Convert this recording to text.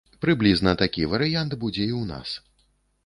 Прыблізна такі варыянт будзе і ў нас.